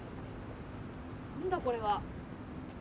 何だこれは？